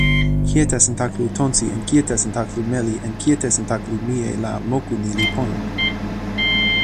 kijetesantakalu tonsi en kijetesantakalu meli en kijetesantakalu mije la moku ni li pona.